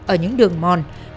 ở những đường mòn